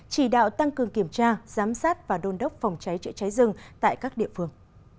chỉ đạo tăng cường kiểm tra giám sát và đôn đốc phòng cháy chữa cháy rừng tại các địa phương